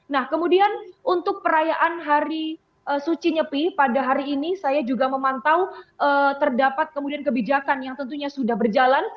nah kemudian untuk perayaan hari suci nyepi pada hari ini saya juga memantau terdapat kemudian kebijakan yang tentunya sudah berjalan